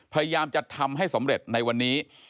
พยายามจะทำให้สำเร็จในวันนี้